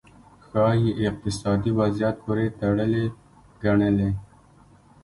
ښايي اقتصادي وضعیت پورې تړلې ګڼلې.